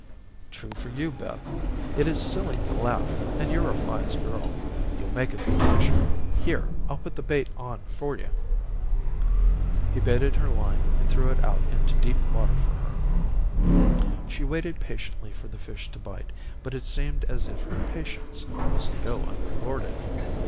"True for you, Beth. It is silly to laugh and you're a wise girl. You'll make a good fisher. Here, I'll put the bait on for you." He baited her line and threw it out into deep water for her. She waited patiently for the fish to bite, but it seemed as if her patience was to go unrewarded.